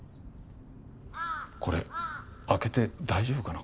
これ開けて大丈夫かな？